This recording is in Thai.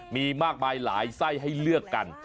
มีมากมายหลายไส้ให้เลือกกัน